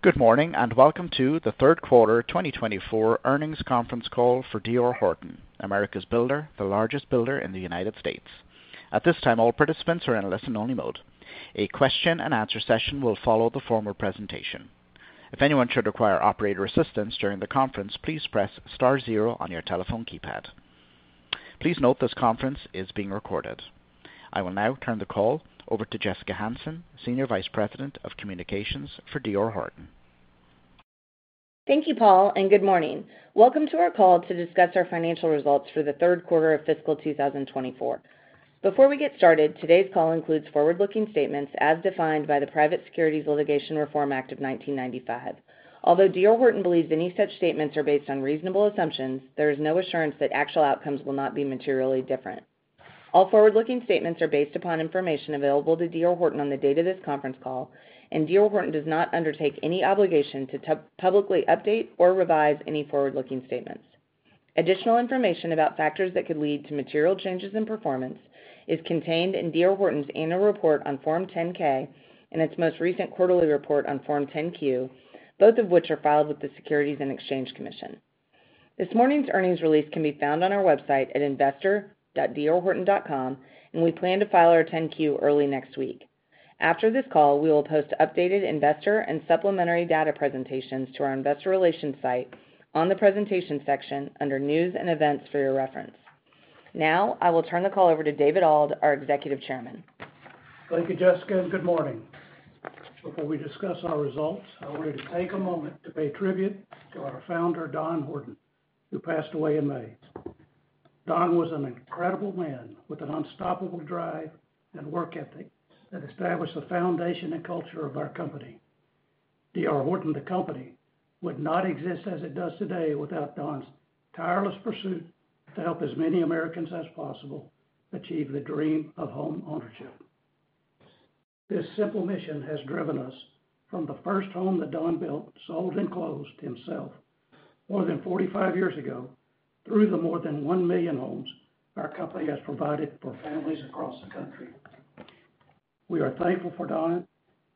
Good morning, and welcome to the third quarter 2024 earnings conference call for D.R. Horton, America's Builder, the largest builder in the United States. At this time, all participants are in a listen-only mode. A question-and-answer session will follow the formal presentation. If anyone should require operator assistance during the conference, please press star zero on your telephone keypad. Please note, this conference is being recorded. I will now turn the call over to Jessica Hansen, Senior Vice President of Communications for D.R. Horton. Thank you, Paul, and good morning. Welcome to our call to discuss our financial results for the third quarter of fiscal 2024. Before we get started, today's call includes forward-looking statements as defined by the Private Securities Litigation Reform Act of 1995. Although D.R. Horton believes any such statements are based on reasonable assumptions, there is no assurance that actual outcomes will not be materially different. All forward-looking statements are based upon information available to D.R. Horton on the date of this conference call, and D.R. Horton does not undertake any obligation to publicly update or revise any forward-looking statements. Additional information about factors that could lead to material changes in performance is contained in D.R. Horton's Annual Report on Form 10-K and its most recent quarterly report on Form 10-Q, both of which are filed with the Securities and Exchange Commission. This morning's earnings release can be found on our website at investor.drhorton.com, and we plan to file our 10-Q early next week. After this call, we will post updated investor and supplementary data presentations to our investor relations site on the Presentation section under News & Events for your reference. Now, I will turn the call over to David Auld, our Executive Chairman. Thank you, Jessica, and good morning. Before we discuss our results, I wanted to take a moment to pay tribute to our founder, Don Horton, who passed away in May. Don was an incredible man with an unstoppable drive and work ethic that established the foundation and culture of our company. D.R. Horton, the company, would not exist as it does today without Don's tireless pursuit to help as many Americans as possible achieve the dream of homeownership. This simple mission has driven us from the first home that Don built, sold, and closed himself more than 45 years ago, through the more than 1 million homes our company has provided for families across the country. We are thankful for Don,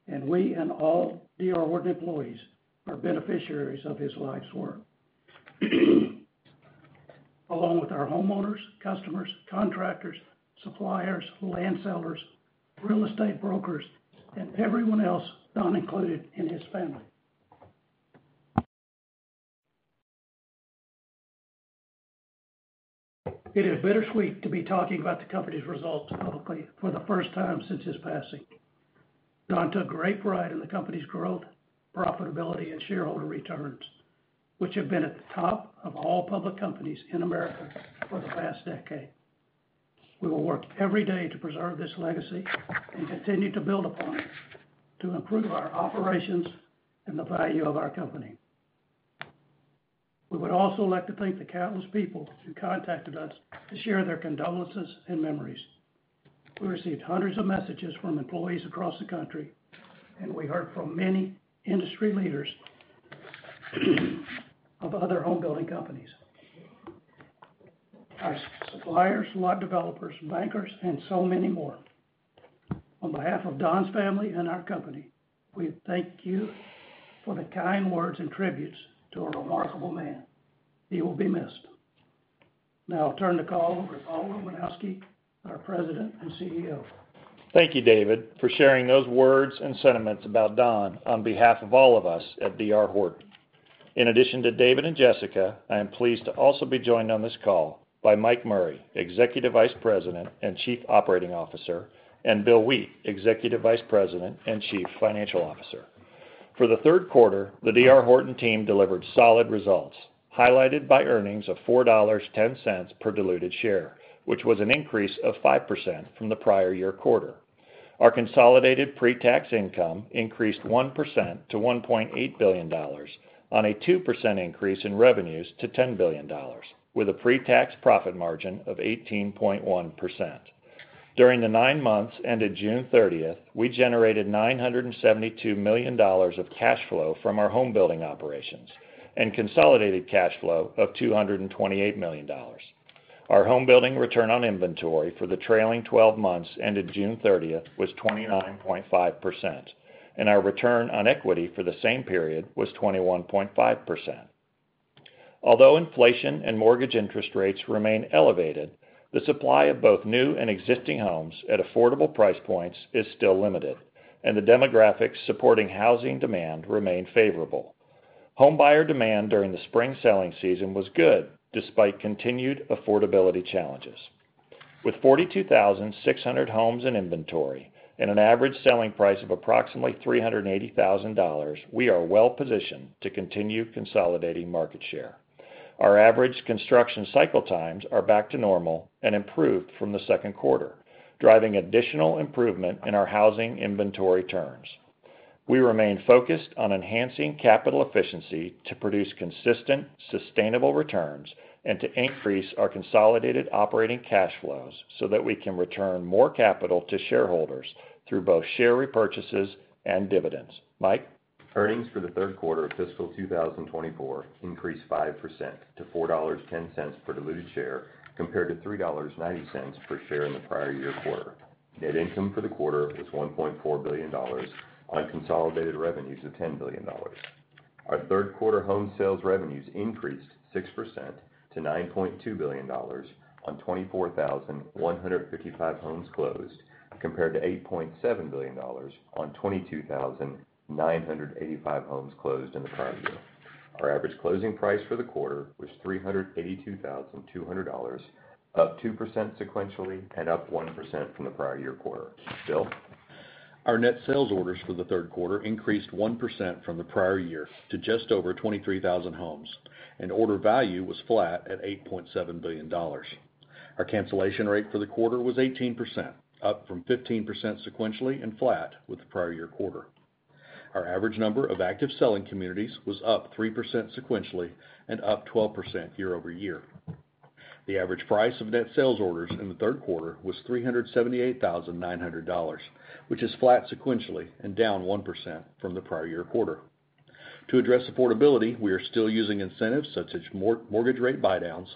and we and all D.R. Horton employees are beneficiaries of his life's work, along with our homeowners, customers, contractors, suppliers, land sellers, real estate brokers, and everyone else Don included in his family. It is bittersweet to be talking about the company's results publicly for the first time since his passing. Don took great pride in the company's growth, profitability, and shareholder returns, which have been at the top of all public companies in America for the past decade. We will work every day to preserve this legacy and continue to build upon it, to improve our operations and the value of our company. We would also like to thank the countless people who contacted us to share their condolences and memories. We received hundreds of messages from employees across the country, and we heard from many industry leaders of other home-building companies, our suppliers, lot developers, bankers, and so many more. On behalf of Don's family and our company, we thank you for the kind words and tributes to a remarkable man. He will be missed. Now I'll turn the call over to Paul Romanowski, our President and CEO. Thank you, David, for sharing those words and sentiments about Don on behalf of all of us at D.R. Horton. In addition to David and Jessica, I am pleased to also be joined on this call by Mike Murray, Executive Vice President and Chief Operating Officer, and Bill Wheat, Executive Vice President and Chief Financial Officer. For the third quarter, the D.R. Horton team delivered solid results, highlighted by earnings of $4.10 per diluted share, which was an increase of 5% from the prior year quarter. Our consolidated pretax income increased 1% to $1.8 billion on a 2% increase in revenues to $10 billion, with a pretax profit margin of 18.1%. During the nine months ended June thirtieth, we generated $972 million of cash flow from our homebuilding operations and consolidated cash flow of $228 million. Our homebuilding return on inventory for the trailing 12 months ended June thirtieth was 29.5%, and our return on equity for the same period was 21.5%. Although inflation and mortgage interest rates remain elevated, the supply of both new and existing homes at affordable price points is still limited, and the demographics supporting housing demand remain favorable. Homebuyer demand during the spring selling season was good, despite continued affordability challenges. With 42,600 homes in inventory and an average selling price of approximately $380,000, we are well positioned to continue consolidating market share. Our average construction cycle times are back to normal and improved from the second quarter, driving additional improvement in our housing inventory terms. We remain focused on enhancing capital efficiency to produce consistent, sustainable returns and to increase our consolidated operating cash flows so that we can return more capital to shareholders through both share repurchases and dividends. Mike? Earnings for the third quarter of fiscal 2024 increased 5% to $4.10 per diluted share, compared to $3.90 per share in the prior year quarter.... Net income for the quarter was $1.4 billion on consolidated revenues of $10 billion. Our third quarter home sales revenues increased 6% to $9.2 billion on 24,155 homes closed, compared to $8.7 billion on 22,985 homes closed in the prior year. Our average closing price for the quarter was $382,200, up 2% sequentially and up 1% from the prior year quarter. Bill? Our net sales orders for the third quarter increased 1% from the prior year to just over 23,000 homes, and order value was flat at $8.7 billion. Our cancellation rate for the quarter was 18%, up from 15% sequentially and flat with the prior year quarter. Our average number of active selling communities was up 3% sequentially and up 12% year-over-year. The average price of net sales orders in the third quarter was $378,900, which is flat sequentially and down 1% from the prior year quarter. To address affordability, we are still using incentives such as mortgage rate buydowns,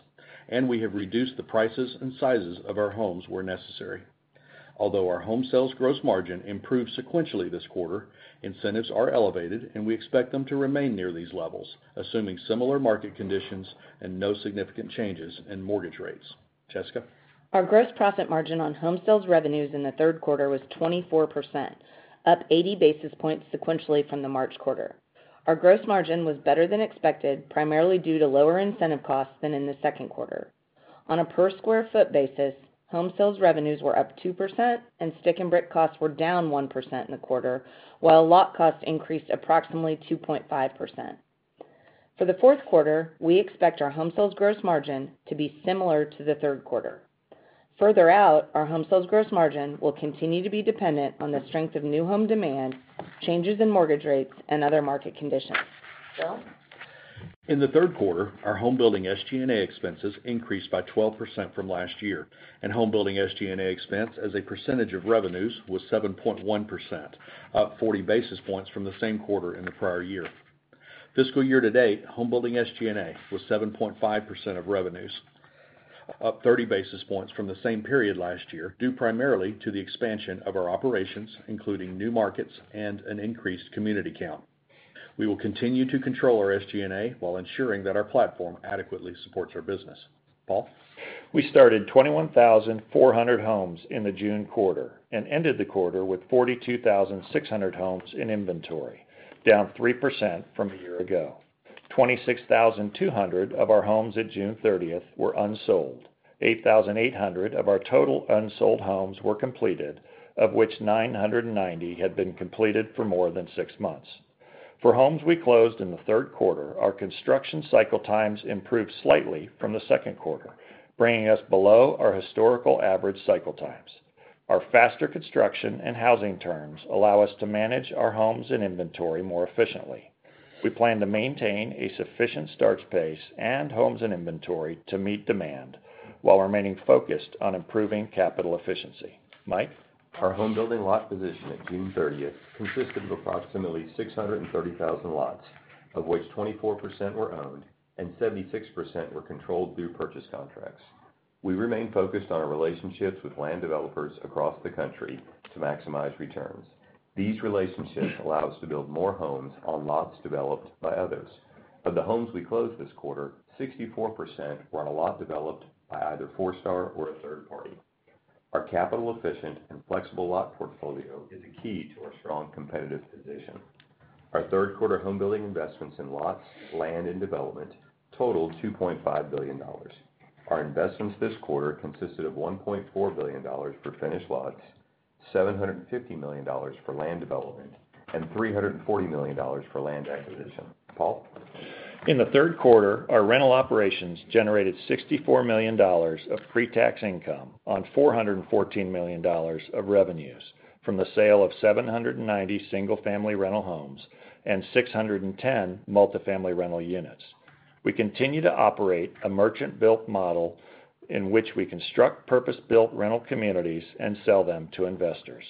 and we have reduced the prices and sizes of our homes where necessary. Although our home sales gross margin improved sequentially this quarter, incentives are elevated, and we expect them to remain near these levels, assuming similar market conditions and no significant changes in mortgage rates. Jessica? Our gross profit margin on home sales revenues in the third quarter was 24%, up 80 basis points sequentially from the March quarter. Our gross margin was better than expected, primarily due to lower incentive costs than in the second quarter. On a per square foot basis, home sales revenues were up 2%, and stick and brick costs were down 1% in the quarter, while lot costs increased approximately 2.5%. For the fourth quarter, we expect our home sales gross margin to be similar to the third quarter. Further out, our home sales gross margin will continue to be dependent on the strength of new home demand, changes in mortgage rates, and other market conditions. Bill? In the third quarter, our home building SG&A expenses increased by 12% from last year, and home building SG&A expense as a percentage of revenues was 7.1%, up 40 basis points from the same quarter in the prior year. Fiscal year-to-date, home building SG&A was 7.5% of revenues, up 30 basis points from the same period last year, due primarily to the expansion of our operations, including new markets and an increased community count. We will continue to control our SG&A while ensuring that our platform adequately supports our business. Paul? We started 21,400 homes in the June quarter and ended the quarter with 42,600 homes in inventory, down 3% from a year ago. 26,200 of our homes at June 30 were unsold. 8,800 of our total unsold homes were completed, of which 990 had been completed for more than 6 months. For homes we closed in the third quarter, our construction cycle times improved slightly from the second quarter, bringing us below our historical average cycle times. Our faster construction and housing terms allow us to manage our homes and inventory more efficiently. We plan to maintain a sufficient starts pace and homes in inventory to meet demand while remaining focused on improving capital efficiency. Mike? Our home building lot position at June 30th consisted of approximately 630,000 lots, of which 24% were owned and 76% were controlled through purchase contracts. We remain focused on our relationships with land developers across the country to maximize returns. These relationships allow us to build more homes on lots developed by others. Of the homes we closed this quarter, 64% were on a lot developed by either Forestar or a third party. Our capital-efficient and flexible lot portfolio is a key to our strong competitive position. Our third quarter home building investments in lots, land, and development totaled $2.5 billion. Our investments this quarter consisted of $1.4 billion for finished lots, $750 million for land development, and $340 million for land acquisition. Paul? In the third quarter, our rental operations generated $64 million of pre-tax income on $414 million of revenues from the sale of 790 single-family rental homes and 610 multifamily rental units. We continue to operate a merchant-built model in which we construct purpose-built rental communities and sell them to investors.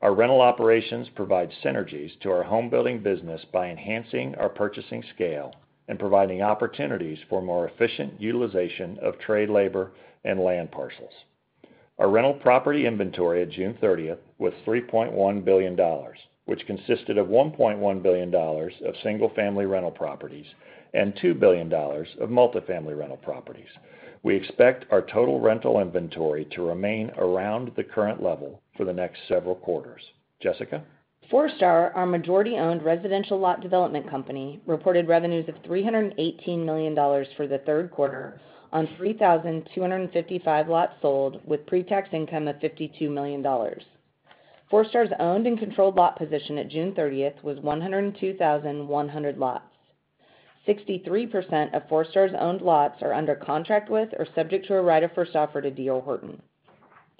Our rental operations provide synergies to our home building business by enhancing our purchasing scale and providing opportunities for more efficient utilization of trade, labor, and land parcels. Our rental property inventory at June 30 was $3.1 billion, which consisted of $1.1 billion of single-family rental properties and $2 billion of multifamily rental properties. We expect our total rental inventory to remain around the current level for the next several quarters. Jessica? Forestar, our majority-owned residential lot development company, reported revenues of $318 million for the third quarter on 3,255 lots sold, with pre-tax income of $52 million. Forestar's owned and controlled lot position at June 30 was 102,100 lots. 63% of Forestar's owned lots are under contract with or subject to a right of first offer to D.R. Horton.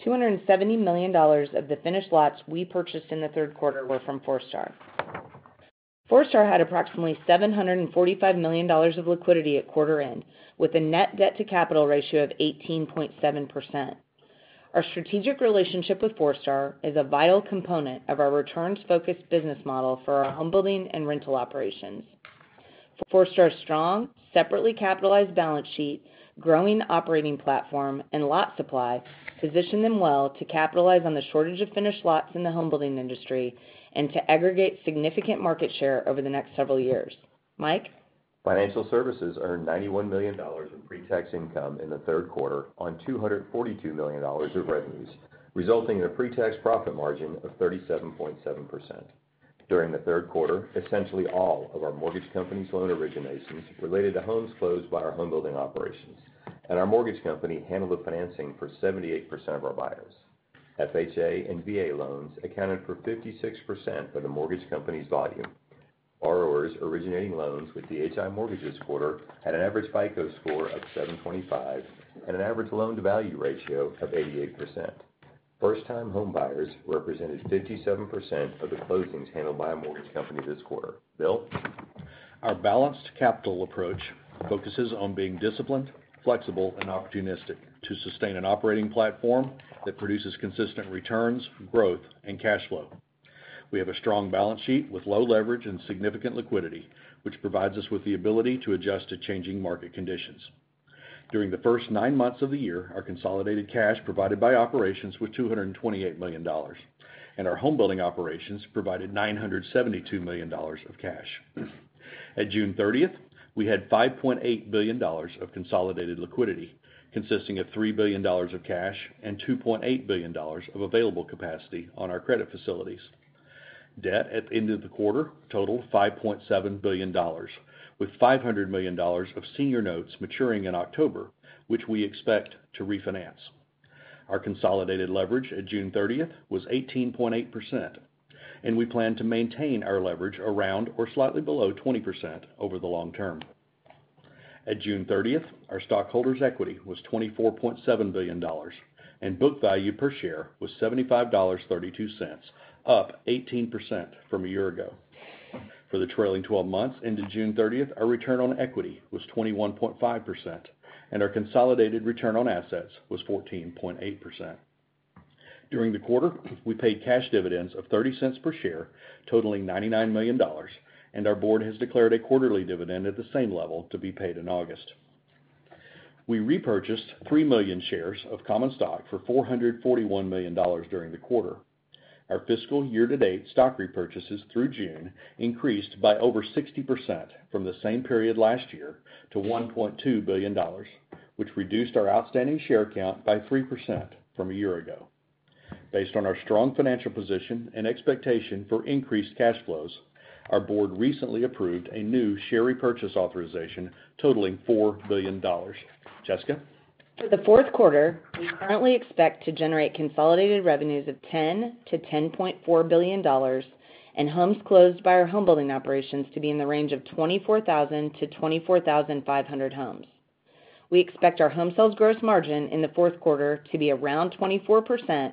$270 million of the finished lots we purchased in the third quarter were from Forestar. Forestar had approximately $745 million of liquidity at quarter end, with a net debt to capital ratio of 18.7%. Our strategic relationship with Forestar is a vital component of our returns-focused business model for our home building and rental operations.... Forestar's strong, separately capitalized balance sheet, growing operating platform, and lot supply position them well to capitalize on the shortage of finished lots in the home building industry, and to aggregate significant market share over the next several years. Mike? Financial services earned $91 million in pre-tax income in the third quarter on $242 million of revenues, resulting in a pre-tax profit margin of 37.7%. During the third quarter, essentially all of our mortgage company's loan originations related to homes closed by our home building operations, and our mortgage company handled the financing for 78% of our buyers. FHA and VA loans accounted for 56% of the mortgage company's volume. Borrowers originating loans with DHI Mortgage this quarter had an average FICO score of 725 and an average loan-to-value ratio of 88%. First-time home buyers represented 57% of the closings handled by a mortgage company this quarter. Bill? Our balanced capital approach focuses on being disciplined, flexible, and opportunistic to sustain an operating platform that produces consistent returns, growth, and cash flow. We have a strong balance sheet with low leverage and significant liquidity, which provides us with the ability to adjust to changing market conditions. During the first nine months of the year, our consolidated cash provided by operations was $228 million, and our home building operations provided $972 million of cash. At June 30, we had $5.8 billion of consolidated liquidity, consisting of $3 billion of cash and $2.8 billion of available capacity on our credit facilities. Debt at the end of the quarter totaled $5.7 billion, with $500 million of senior notes maturing in October, which we expect to refinance. Our consolidated leverage at June 30 was 18.8%, and we plan to maintain our leverage around or slightly below 20% over the long term. At June 30, our stockholders' equity was $24.7 billion, and book value per share was $75.32, up 18% from a year ago. For the trailing twelve months into June 30, our return on equity was 21.5%, and our consolidated return on assets was 14.8%. During the quarter, we paid cash dividends of 30 cents per share, totaling $99 million, and our board has declared a quarterly dividend at the same level to be paid in August. We repurchased 3 million shares of common stock for $441 million during the quarter. Our fiscal year-to-date stock repurchases through June increased by over 60% from the same period last year to $1.2 billion, which reduced our outstanding share count by 3% from a year ago. Based on our strong financial position and expectation for increased cash flows, our board recently approved a new share repurchase authorization totaling $4 billion. Jessica? For the fourth quarter, we currently expect to generate consolidated revenues of $10-$10.4 billion, and homes closed by our home building operations to be in the range of 24,000-24,500 homes. We expect our home sales gross margin in the fourth quarter to be around 24%,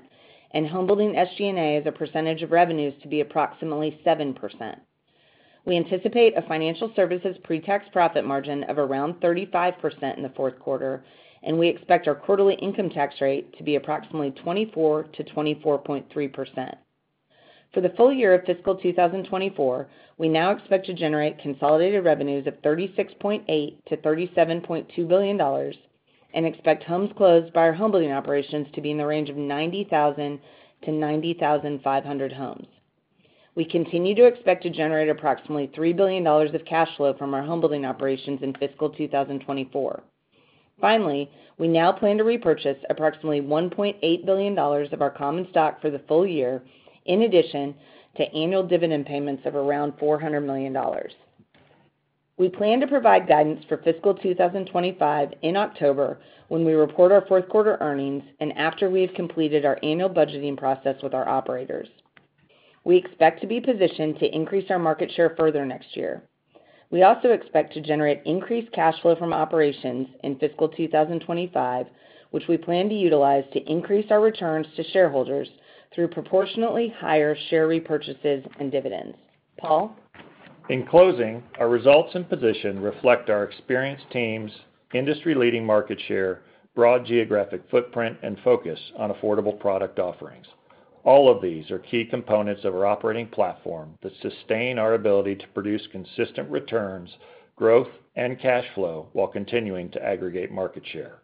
and home building SG&A as a percentage of revenues to be approximately 7%. We anticipate a financial services pre-tax profit margin of around 35% in the fourth quarter, and we expect our quarterly income tax rate to be approximately 24%-24.3%. For the full year of fiscal 2024, we now expect to generate consolidated revenues of $36.8 billion-$37.2 billion and expect homes closed by our home building operations to be in the range of 90,000-90,500 homes. We continue to expect to generate approximately $3 billion of cash flow from our home building operations in fiscal 2024. Finally, we now plan to repurchase approximately $1.8 billion of our common stock for the full year, in addition to annual dividend payments of around $400 million. We plan to provide guidance for fiscal 2025 in October, when we report our fourth quarter earnings, and after we have completed our annual budgeting process with our operators. We expect to be positioned to increase our market share further next year. We also expect to generate increased cash flow from operations in fiscal 2025, which we plan to utilize to increase our returns to shareholders through proportionately higher share repurchases and dividends. Paul? In closing, our results and position reflect our experienced teams, industry-leading market share, broad geographic footprint, and focus on affordable product offerings. All of these are key components of our operating platform that sustain our ability to produce consistent returns, growth, and cash flow while continuing to aggregate market share.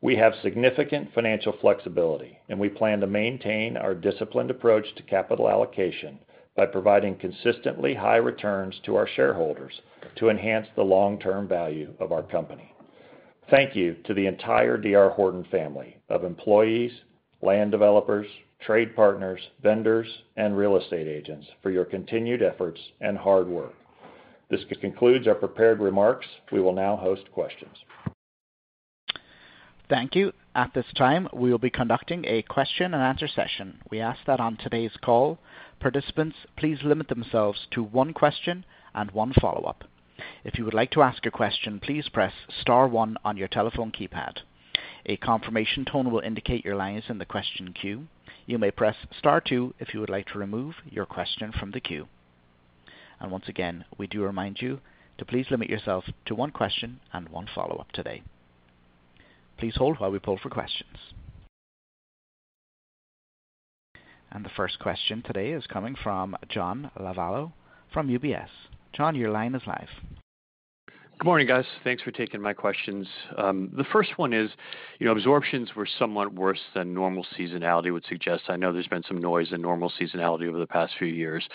We have significant financial flexibility, and we plan to maintain our disciplined approach to capital allocation by providing consistently high returns to our shareholders to enhance the long-term value of our company. Thank you to the entire D.R. Horton family of employees, land developers, trade partners, vendors, and real estate agents for your continued efforts and hard work. This concludes our prepared remarks. We will now host questions. Thank you. At this time, we will be conducting a question and answer session. We ask that on today's call, participants please limit themselves to one question and one follow-up. If you would like to ask a question, please press star one on your telephone keypad. A confirmation tone will indicate your line is in the question queue. You may press star two if you would like to remove your question from the queue. And once again, we do remind you to please limit yourself to one question and one follow-up today. Please hold while we pull for questions.... The first question today is coming from John Lovallo from UBS. John, your line is live. Good morning, guys. Thanks for taking my questions. The first one is, you know, absorptions were somewhat worse than normal seasonality would suggest. I know there's been some noise in normal seasonality over the past few years,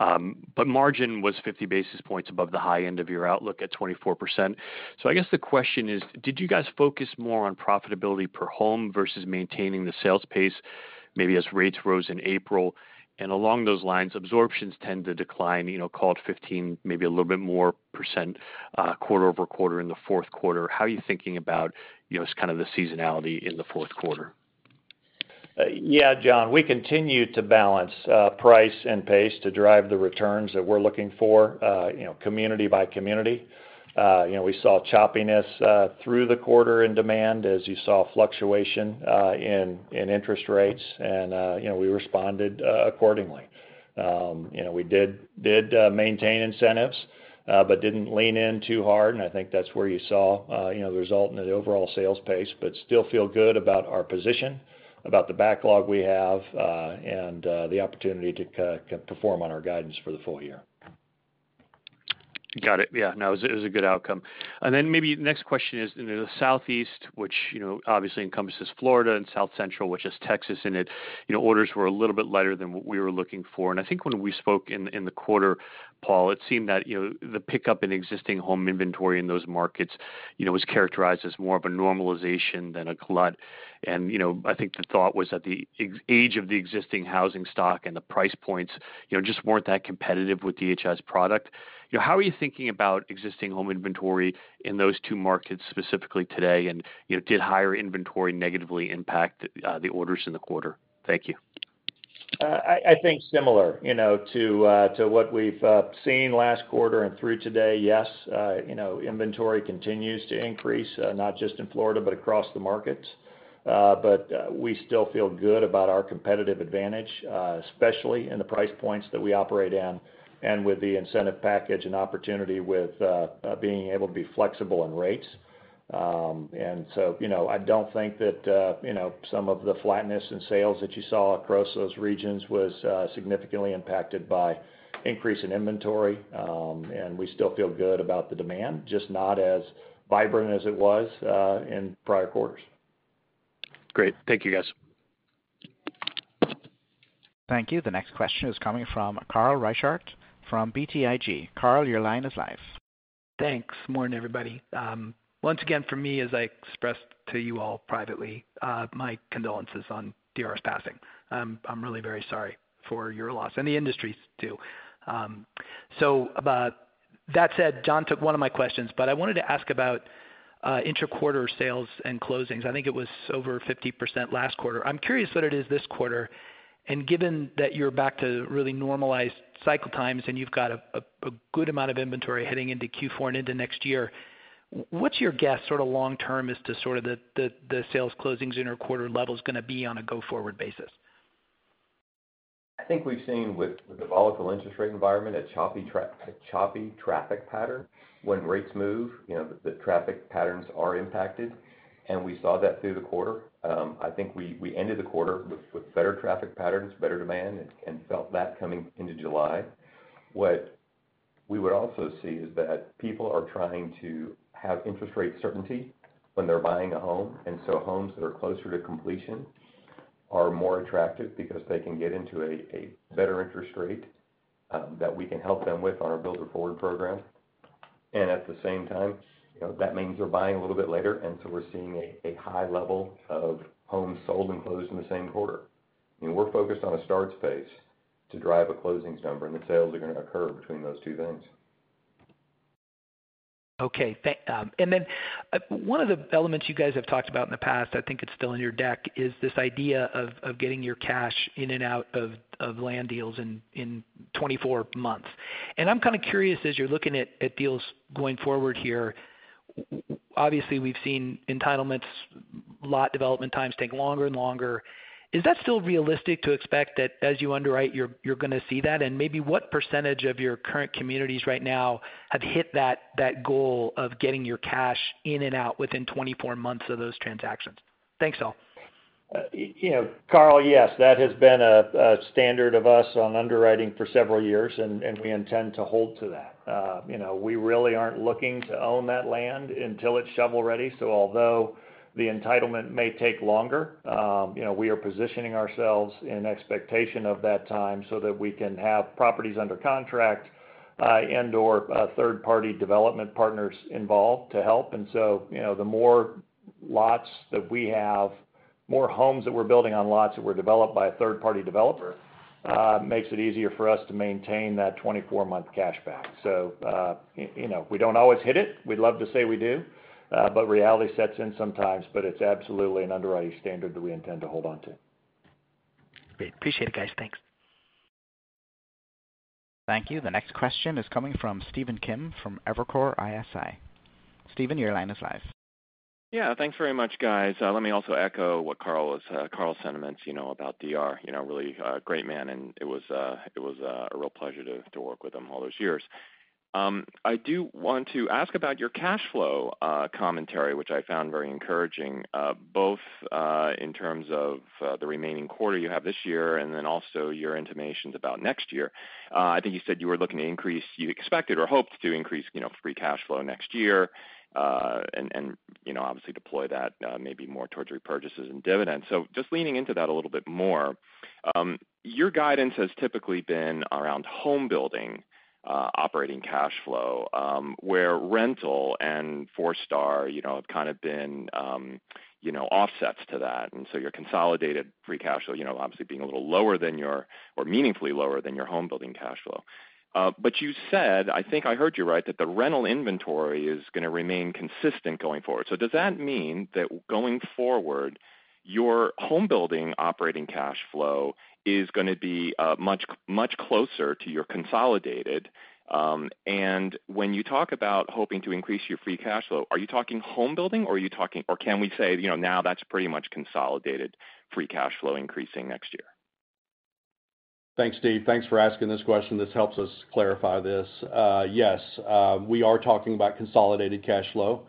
but margin was 50 basis points above the high end of your outlook at 24%. So I guess the question is, did you guys focus more on profitability per home versus maintaining the sales pace, maybe as rates rose in April? And along those lines, absorptions tend to decline, you know, call it 15, maybe a little bit more percent, quarter-over-quarter in the fourth quarter. How are you thinking about, you know, just kind of the seasonality in the fourth quarter? Yeah, John, we continue to balance price and pace to drive the returns that we're looking for, you know, community by community. You know, we saw choppiness through the quarter in demand, as you saw fluctuation in interest rates, and you know, we responded accordingly. You know, we did maintain incentives, but didn't lean in too hard, and I think that's where you saw, you know, the result in the overall sales pace, but still feel good about our position, about the backlog we have, and the opportunity to perform on our guidance for the full year. Got it. Yeah, no, it was, it was a good outcome. And then maybe the next question is, in the Southeast, which, you know, obviously encompasses Florida and South Central, which has Texas in it, you know, orders were a little bit lighter than what we were looking for. And I think when we spoke in, in the quarter, Paul, it seemed that, you know, the pickup in existing home inventory in those markets, you know, was characterized as more of a normalization than a glut. And, you know, I think the thought was that the age of the existing housing stock and the price points, you know, just weren't that competitive with DHI's product. You know, how are you thinking about existing home inventory in those two markets, specifically today, and, you know, did higher inventory negatively impact the orders in the quarter? Thank you. I think similar, you know, to what we've seen last quarter and through today. Yes, you know, inventory continues to increase, not just in Florida, but across the markets. But we still feel good about our competitive advantage, especially in the price points that we operate in, and with the incentive package and opportunity with being able to be flexible on rates. And so, you know, I don't think that, you know, some of the flatness in sales that you saw across those regions was significantly impacted by increase in inventory, and we still feel good about the demand, just not as vibrant as it was in prior quarters. Great. Thank you, guys. Thank you. The next question is coming from Carl Reichardt from BTIG. Carl, your line is live. Thanks. Morning, everybody. Once again, for me, as I expressed to you all privately, my condolences on Don's passing. I'm really very sorry for your loss and the industry's, too. So, but that said, John took one of my questions, but I wanted to ask about, intra-quarter sales and closings. I think it was over 50% last quarter. I'm curious what it is this quarter, and given that you're back to really normalized cycle times, and you've got a, a, a good amount of inventory heading into Q4 and into next year, what's your guess, sort of long term, as to sort of the, the, the sales closings in our quarter level is gonna be on a go-forward basis? I think we've seen with the volatile interest rate environment, a choppy traffic pattern. When rates move, you know, the traffic patterns are impacted, and we saw that through the quarter. I think we ended the quarter with better traffic patterns, better demand, and felt that coming into July. What we would also see is that people are trying to have interest rate certainty when they're buying a home. And so homes that are closer to completion are more attractive because they can get into a better interest rate that we can help them with on our builder forward program. And at the same time, you know, that means they're buying a little bit later, and so we're seeing a high level of homes sold and closed in the same quarter. We're focused on a starts pace to drive a closings number, and the sales are gonna occur between those two things. Okay, and then, one of the elements you guys have talked about in the past, I think it's still in your deck, is this idea of getting your cash in and out of land deals in 24 months. And I'm kind of curious, as you're looking at deals going forward here, obviously, we've seen entitlements, lot development times take longer and longer. Is that still realistic to expect that as you underwrite, you're gonna see that? And maybe what percentage of your current communities right now have hit that goal of getting your cash in and out within 24 months of those transactions? Thanks, all. You know, Carl, yes, that has been a standard of us on underwriting for several years, and we intend to hold to that. You know, we really aren't looking to own that land until it's shovel-ready. So although the entitlement may take longer, you know, we are positioning ourselves in expectation of that time so that we can have properties under contract and/or third-party development partners involved to help. And so, you know, the more lots that we have, more homes that we're building on lots that were developed by a third-party developer makes it easier for us to maintain that 24-month cash flow. So you know, we don't always hit it. We'd love to say we do, but reality sets in sometimes, but it's absolutely an underwriting standard that we intend to hold on to. Great. Appreciate it, guys. Thanks. Thank you. The next question is coming from Stephen Kim from Evercore ISI. Steven, your line is live. Yeah, thanks very much, guys. Let me also echo what Carl was, Carl's sentiments, you know, about D.R. You know, really a great man, and it was a real pleasure to work with him all those years. I do want to ask about your cash flow commentary, which I found very encouraging, both in terms of the remaining quarter you have this year, and then also your intimations about next year. I think you said you were looking to increase- you expected or hoped to increase, you know, free cash flow next year, and you know, obviously deploy that, maybe more towards repurchases and dividends. So just leaning into that a little bit more, your guidance has typically been around home building operating cash flow, where rental and Forestar, you know, have kind of been, you know, offsets to that. And so your consolidated free cash flow, you know, obviously being a little lower than your, or meaningfully lower than your home building cash flow. But you said, I think I heard you right, that the rental inventory is gonna remain consistent going forward. So does that mean that going forward, your home building operating cash flow is gonna be much, much closer to your consolidated? And when you talk about hoping to increase your free cash flow, are you talking home building, or are you talking—or can we say, you know, now that's pretty much consolidated free cash flow increasing next year? Thanks, Steve. Thanks for asking this question. This helps us clarify this. Yes, we are talking about consolidated cash flow,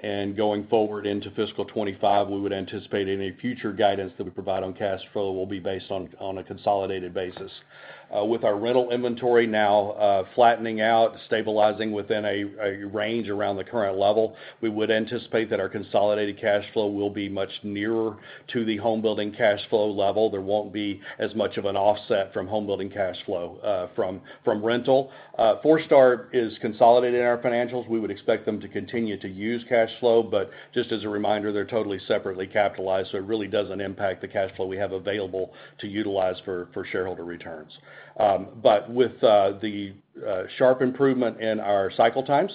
and going forward into fiscal 2025, we would anticipate any future guidance that we provide on cash flow will be based on a consolidated basis. With our rental inventory now flattening out, stabilizing within a range around the current level, we would anticipate that our consolidated cash flow will be much nearer to the home building cash flow level. There won't be as much of an offset from home building cash flow from rental. Forestar is consolidated in our financials. We would expect them to continue to use cash flow, but just as a reminder, they're totally separately capitalized, so it really doesn't impact the cash flow we have available to utilize for shareholder returns. But with the sharp improvement in our cycle times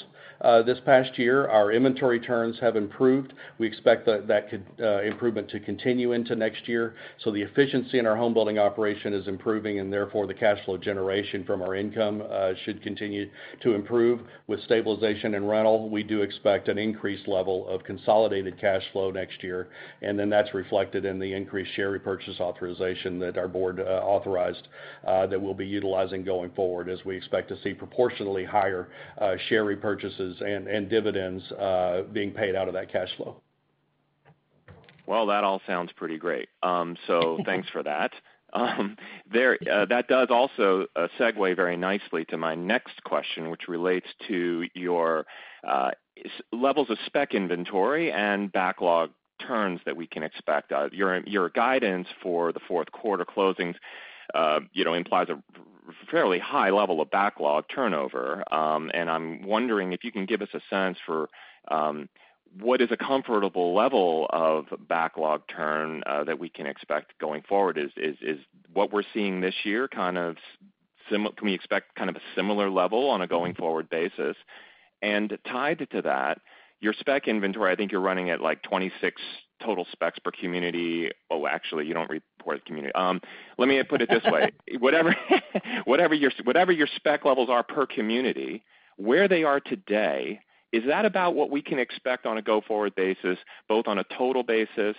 this past year, our inventory turns have improved. We expect that improvement to continue into next year. So the efficiency in our home building operation is improving, and therefore, the cash flow generation from our income should continue to improve. With stabilization in rental, we do expect an increased level of consolidated cash flow next year, and then that's reflected in the increased share repurchase authorization that our board authorized that we'll be utilizing going forward, as we expect to see proportionally higher share repurchases and dividends being paid out of that cash flow. Well, that all sounds pretty great. So thanks for that. There, that does also segue very nicely to my next question, which relates to your levels of spec inventory and backlog turns that we can expect. Your guidance for the fourth quarter closings, you know, implies a fairly high level of backlog turnover. And I'm wondering if you can give us a sense for what is a comfortable level of backlog turn that we can expect going forward? Is what we're seeing this year kind of similar? Can we expect kind of a similar level on a going-forward basis? And tied to that, your spec inventory, I think you're running at, like, 26 total specs per community. Oh, actually, you don't report a community. Let me put it this way. Whatever your spec levels are per community, where they are today, is that about what we can expect on a go-forward basis, both on a total basis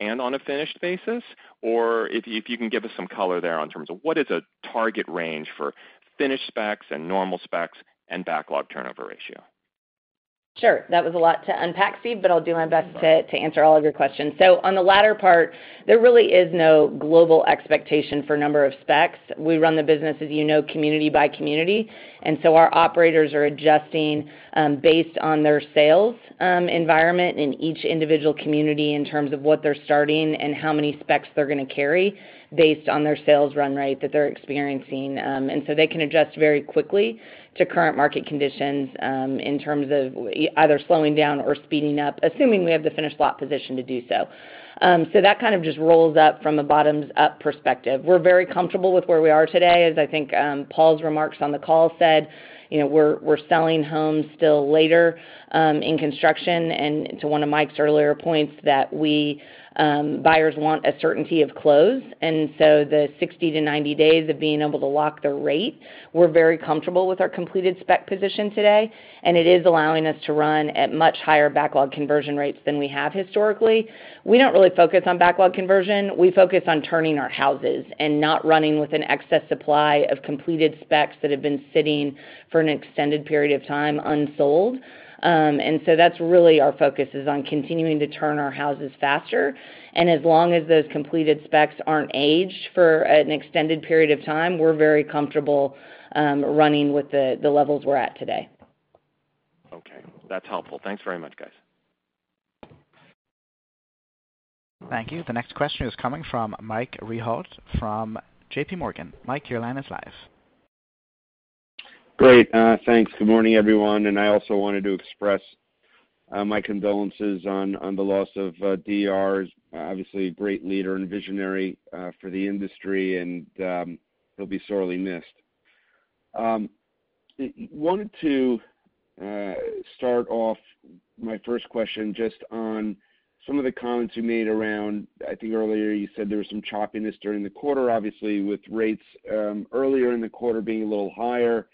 and on a finished basis? Or if you can give us some color there in terms of what is a target range for finished specs and normal specs and backlog turnover ratio? Sure. That was a lot to unpack, Steve, but I'll do my best to answer all of your questions. So on the latter part, there really is no global expectation for number of specs. We run the business, as you know, community by community, and so our operators are adjusting based on their sales environment in each individual community, in terms of what they're starting and how many specs they're gonna carry based on their sales run rate that they're experiencing. And so they can adjust very quickly to current market conditions, in terms of either slowing down or speeding up, assuming we have the finished lot position to do so. So that kind of just rolls up from a bottoms-up perspective. We're very comfortable with where we are today. As I think, Paul's remarks on the call said, you know, we're selling homes still later in construction, and to one of Mike's earlier points, that buyers want a certainty of close, and so the 60-90 days of being able to lock their rate, we're very comfortable with our completed spec position today, and it is allowing us to run at much higher backlog conversion rates than we have historically. We don't really focus on backlog conversion. We focus on turning our houses and not running with an excess supply of completed specs that have been sitting for an extended period of time unsold. And so that's really our focus, is on continuing to turn our houses faster, and as long as those completed specs aren't aged for an extended period of time, we're very comfortable running with the levels we're at today. Okay. That's helpful. Thanks very much, guys. Thank you. The next question is coming from Mike Rehaut from J.P. Morgan. Mike, your line is live. Great, thanks. Good morning, everyone, and I also wanted to express my condolences on the loss of Don. Obviously, a great leader and visionary for the industry, and he'll be sorely missed. Wanted to start off my first question just on some of the comments you made around... I think earlier you said there was some choppiness during the quarter, obviously, with rates, earlier in the quarter being a little higher.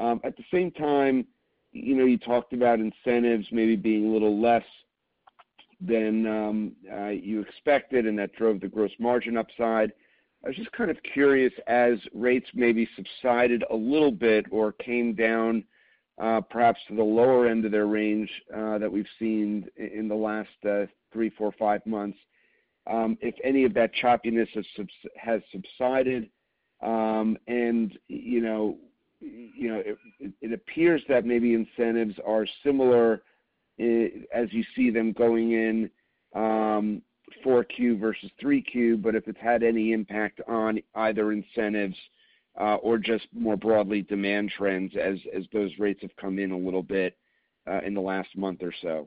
At the same time, you know, you talked about incentives maybe being a little less... than you expected, and that drove the gross margin upside. I was just kind of curious, as rates maybe subsided a little bit or came down, perhaps to the lower end of their range, that we've seen in the last three, four, five months, if any of that choppiness has subsided? And you know, it appears that maybe incentives are similar, as you see them going in, 4Q versus 3Q, but if it's had any impact on either incentives, or just more broadly, demand trends as those rates have come in a little bit, in the last month or so.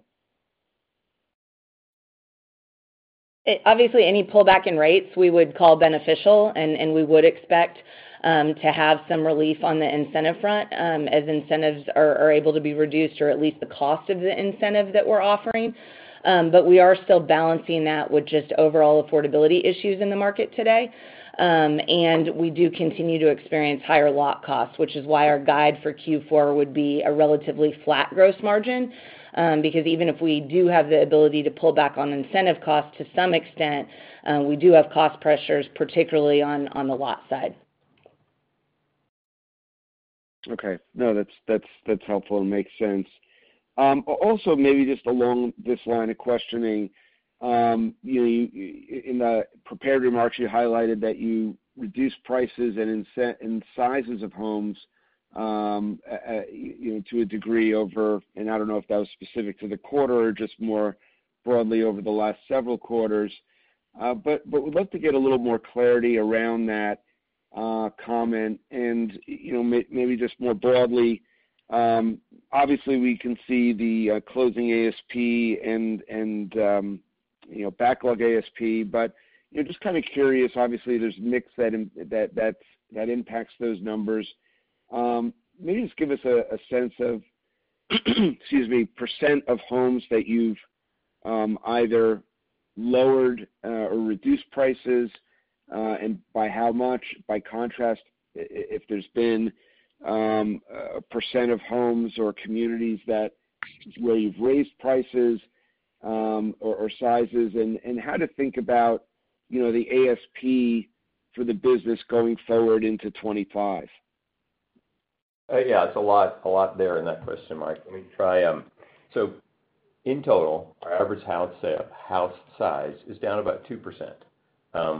Obviously, any pullback in rates, we would call beneficial, and we would expect to have some relief on the incentive front, as incentives are able to be reduced, or at least the cost of the incentives that we're offering. But we are still balancing that with just overall affordability issues in the market today. We do continue to experience higher lot costs, which is why our guide for Q4 would be a relatively flat gross margin. Because even if we do have the ability to pull back on incentive costs, to some extent, we do have cost pressures, particularly on the lot side. Okay. No, that's, that's, that's helpful and makes sense. Also, maybe just along this line of questioning, you, in the prepared remarks, you highlighted that you reduced prices and incentives and sizes of homes, you know, to a degree over... I don't know if that was specific to the quarter or just more broadly over the last several quarters. But we'd love to get a little more clarity around that comment. You know, maybe just more broadly, obviously, we can see the closing ASP and, you know, just kind of curious. Obviously, there's mix that impacts those numbers. Maybe just give us a sense of, excuse me, % of homes that you've either lowered or reduced prices and by how much, by contrast, if there's been a % of homes or communities that where you've raised prices or sizes, and how to think about, you know, the ASP for the business going forward into 2025. Yeah, it's a lot, a lot there in that question, Mike. Let me try, so in total, our average house sale, house size is down about 2%,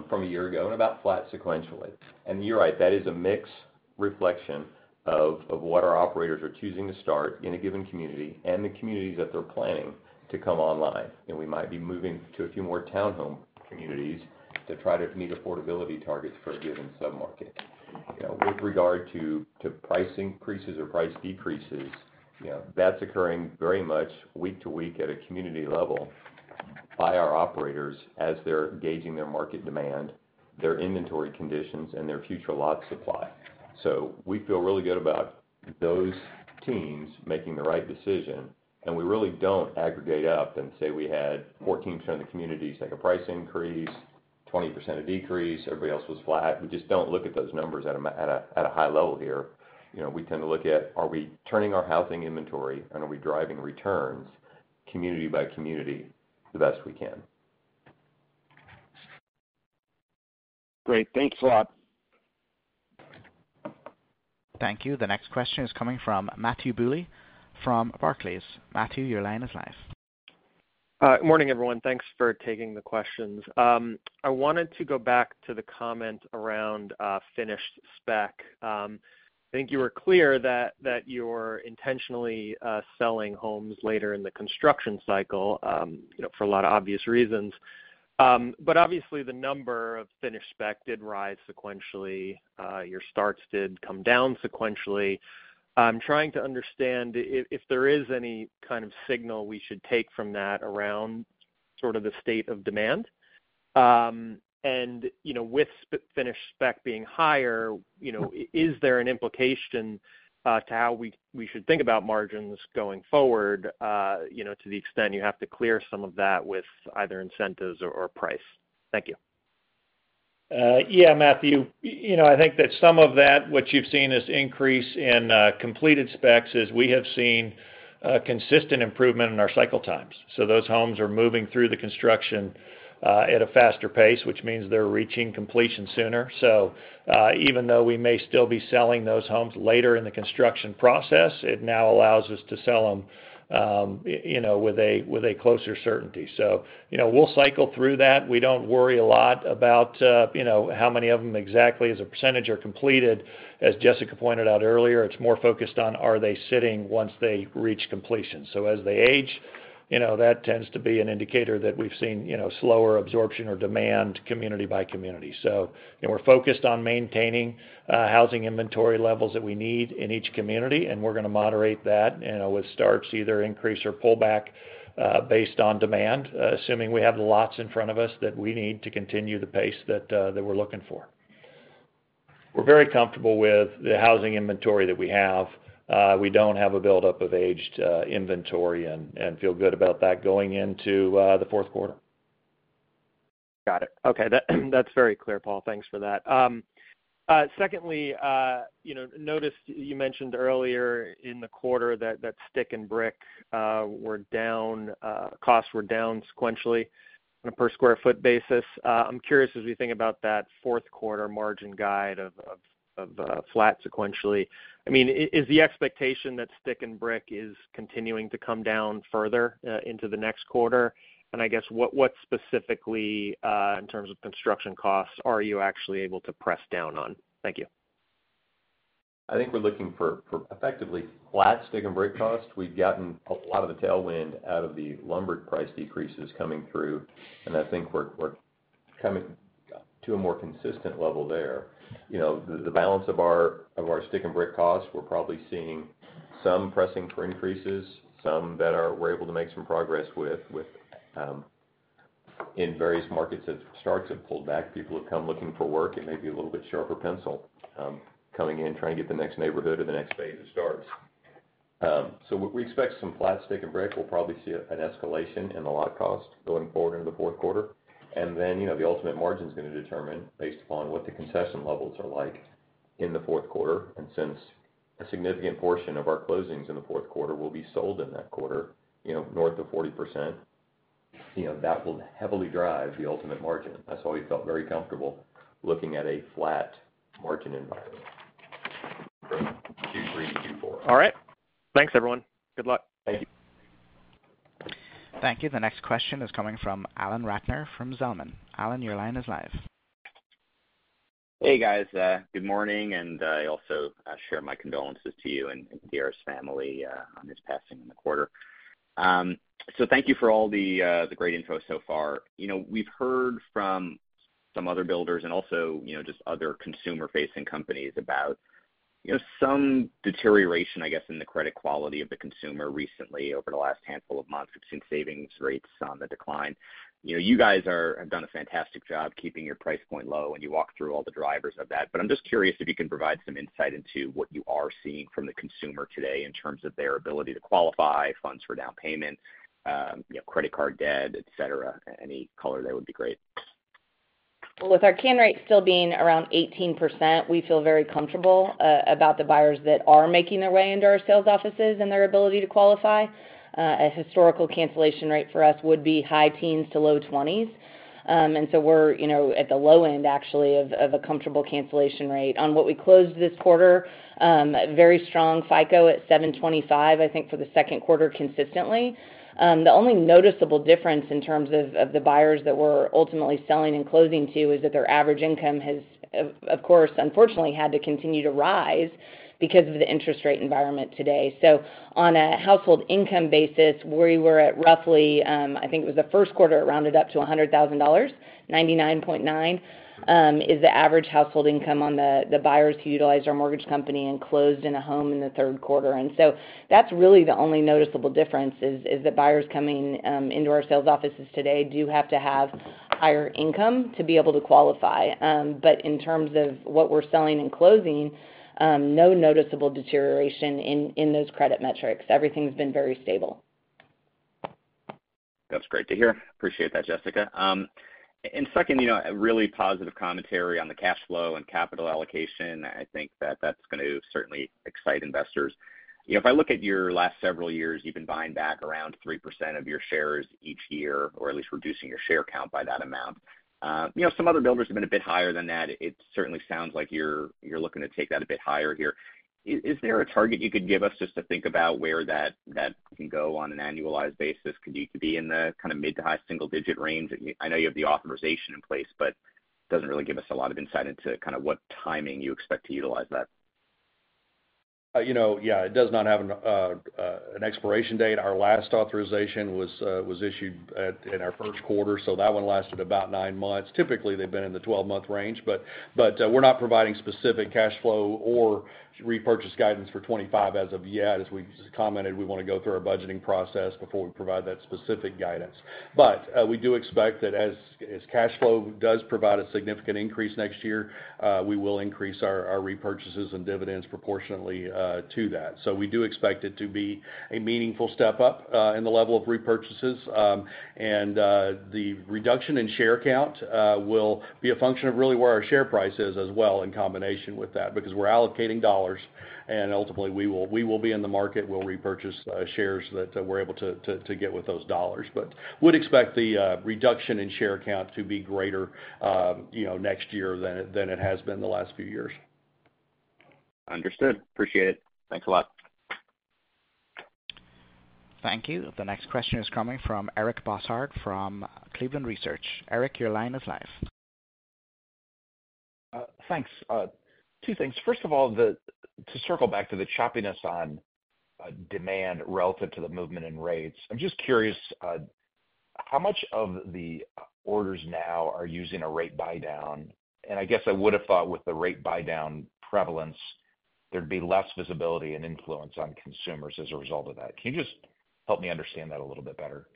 from a year ago, and about flat sequentially. And you're right, that is a mix reflection of what our operators are choosing to start in a given community and the communities that they're planning to come online. And we might be moving to a few more townhome communities to try to meet affordability targets for a given submarket. You know, with regard to price increases or price decreases, you know, that's occurring very much week to week at a community level by our operators as they're gauging their market demand, their inventory conditions, and their future lot supply. So we feel really good about those teams making the right decision, and we really don't aggregate up and say we had 14% of the communities take a price increase, 20% a decrease, everybody else was flat. We just don't look at those numbers at a high level here. You know, we tend to look at, are we turning our housing inventory and are we driving returns community by community the best we can? Great. Thanks a lot. Thank you. The next question is coming from Matthew Bouley from Barclays. Matthew, your line is live. Good morning, everyone. Thanks for taking the questions. I wanted to go back to the comment around finished spec. I think you were clear that you're intentionally selling homes later in the construction cycle, you know, for a lot of obvious reasons. But obviously, the number of finished spec did rise sequentially. Your starts did come down sequentially. I'm trying to understand if there is any kind of signal we should take from that around sort of the state of demand. And, you know, with finished spec being higher, you know, is there an implication to how we should think about margins going forward, you know, to the extent you have to clear some of that with either incentives or price? Thank you. Yeah, Matthew, you know, I think that some of that, what you've seen is increase in completed specs, is we have seen a consistent improvement in our cycle times. So those homes are moving through the construction at a faster pace, which means they're reaching completion sooner. So, even though we may still be selling those homes later in the construction process, it now allows us to sell them, you know, with a closer certainty. So, you know, we'll cycle through that. We don't worry a lot about, you know, how many of them exactly as a percentage are completed. As Jessica pointed out earlier, it's more focused on, are they sitting once they reach completion? So as they age, you know, that tends to be an indicator that we've seen, you know, slower absorption or demand, community by community. So, you know, we're focused on maintaining, housing inventory levels that we need in each community, and we're gonna moderate that, you know, with starts, either increase or pull back, based on demand, assuming we have the lots in front of us that we need to continue the pace that, that we're looking for. We're very comfortable with the housing inventory that we have. We don't have a buildup of aged, inventory and, and feel good about that going into, the fourth quarter.... Got it. Okay, that's very clear, Paul. Thanks for that. Secondly, you know, I noticed you mentioned earlier in the quarter that stick and brick costs were down sequentially on a per square foot basis. I'm curious, as we think about that fourth quarter margin guide of flat sequentially, I mean, is the expectation that stick and brick is continuing to come down further into the next quarter? And I guess, what specifically, in terms of construction costs, are you actually able to press down on? Thank you. I think we're looking for effectively flat stick and brick costs. We've gotten a lot of the tailwind out of the lumber price decreases coming through, and I think we're coming to a more consistent level there. You know, the balance of our stick and brick costs, we're probably seeing some pressing for increases, some that are- we're able to make some progress with, with, in various markets, as starts have pulled back, people have come looking for work and maybe a little bit sharper pencil, coming in, trying to get the next neighborhood or the next phase of starts. So we expect some flat stick and brick. We'll probably see an escalation in the lot costs going forward into the fourth quarter. Then, you know, the ultimate margin is going to determine based upon what the concession levels are like in the fourth quarter. Since a significant portion of our closings in the fourth quarter will be sold in that quarter, you know, north of 40%, you know, that will heavily drive the ultimate margin. That's why we felt very comfortable looking at a flat margin environment. All right. Thanks, everyone. Good luck. Thank you. Thank you. The next question is coming from Alan Ratner from Zelman. Alan, your line is live. Hey, guys, good morning, and I also share my condolences to you and D.R.'s family on his passing in the quarter. So thank you for all the great info so far. You know, we've heard from some other builders and also, you know, just other consumer-facing companies about, you know, some deterioration, I guess, in the credit quality of the consumer recently over the last handful of months. We've seen savings rates on the decline. You know, you guys have done a fantastic job keeping your price point low, and you walk through all the drivers of that. But I'm just curious if you can provide some insight into what you are seeing from the consumer today in terms of their ability to qualify, funds for down payment, you know, credit card debt, et cetera. Any color there would be great. Well, with our cancellation rate still being around 18%, we feel very comfortable about the buyers that are making their way into our sales offices and their ability to qualify. A historical cancellation rate for us would be high teens to low twenties. And so we're, you know, at the low end, actually, of a comfortable cancellation rate. On what we closed this quarter, very strong FICO at 725, I think, for the second quarter consistently. The only noticeable difference in terms of the buyers that we're ultimately selling and closing to is that their average income has, of course, unfortunately, had to continue to rise because of the interest rate environment today. So on a household income basis, we were at roughly, I think it was the first quarter, it rounded up to $100,000, $99,900, is the average household income on the, the buyers who utilized our mortgage company and closed in a home in the third quarter. And so that's really the only noticeable difference is, is that buyers coming into our sales offices today do have to have higher income to be able to qualify. But in terms of what we're selling and closing, no noticeable deterioration in, in those credit metrics. Everything's been very stable. That's great to hear. Appreciate that, Jessica. And second, you know, a really positive commentary on the cash flow and capital allocation. I think that that's going to certainly excite investors. You know, if I look at your last several years, you've been buying back around 3% of your shares each year, or at least reducing your share count by that amount. You know, some other builders have been a bit higher than that. It certainly sounds like you're looking to take that a bit higher here. Is there a target you could give us just to think about where that can go on an annualized basis? Could you be in the kind of mid- to high-single-digit range? I know you have the authorization in place, but it doesn't really give us a lot of insight into kind of what timing you expect to utilize that. You know, yeah, it does not have an expiration date. Our last authorization was issued at, in our first quarter, so that one lasted about nine months. Typically, they've been in the 12-month range, but we're not providing specific cash flow or repurchase guidance for 25 as of yet. As we just commented, we want to go through our budgeting process before we provide that specific guidance. But we do expect that as cash flow does provide a significant increase next year, we will increase our repurchases and dividends proportionately to that. So we do expect it to be a meaningful step up in the level of repurchases. And, the reduction in share count will be a function of really where our share price is as well in combination with that, because we're allocating dollars and ultimately, we will be in the market. We'll repurchase shares that we're able to get with those dollars. But would expect the reduction in share count to be greater, you know, next year than it has been the last few years. Understood. Appreciate it. Thanks a lot. Thank you. The next question is coming from Eric Bosshard, from Cleveland Research. Eric, your line is live. Thanks. Two things. First of all, to circle back to the choppiness on demand relative to the movement in rates, I'm just curious how much of the orders now are using a rate buy down? And I guess I would have thought with the rate buy down prevalence, there'd be less visibility and influence on consumers as a result of that. Can you just help me understand that a little bit better? ...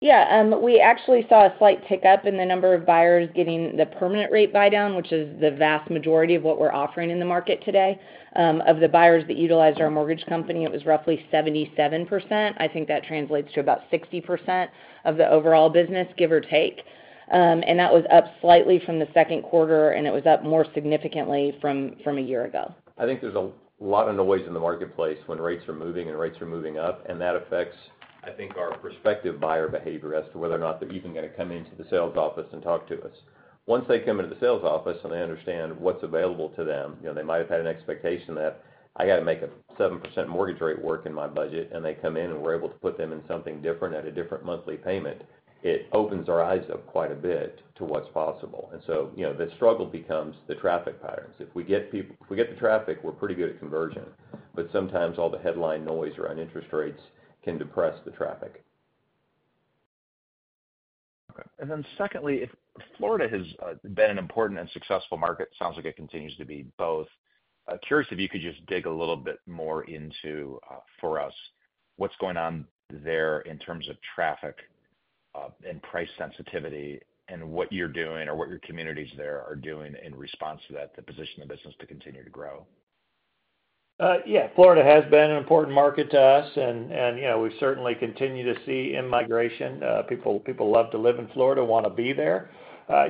Yeah, we actually saw a slight tick up in the number of buyers getting the permanent rate buydown, which is the vast majority of what we're offering in the market today. Of the buyers that utilized our mortgage company, it was roughly 77%. I think that translates to about 60% of the overall business, give or take. And that was up slightly from the second quarter, and it was up more significantly from a year ago. I think there's a lot of noise in the marketplace when rates are moving and rates are moving up, and that affects, I think, our prospective buyer behavior as to whether or not they're even gonna come into the sales office and talk to us. Once they come into the sales office and they understand what's available to them, you know, they might have had an expectation that I gotta make a 7% mortgage rate work in my budget, and they come in, and we're able to put them in something different at a different monthly payment, it opens their eyes up quite a bit to what's possible. And so, you know, the struggle becomes the traffic patterns. If we get the traffic, we're pretty good at conversion, but sometimes all the headline noise around interest rates can depress the traffic. Okay. And then secondly, if Florida has been an important and successful market, sounds like it continues to be both. I'm curious if you could just dig a little bit more into, for us, what's going on there in terms of traffic, and price sensitivity, and what you're doing or what your communities there are doing in response to that to position the business to continue to grow. Yeah, Florida has been an important market to us, and you know, we certainly continue to see in-migration. People love to live in Florida, want to be there,